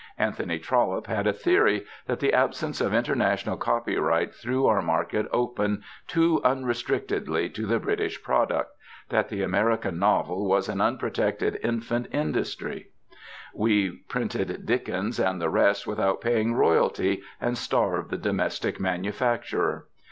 Anthony Trollope had a theory that the absence of international copyright threw our market open too unrestrictedly to the British product, that the American novel was an unprotected infant industry; we printed Dickens and the rest without paying royalty and starved the domestic manufacturer.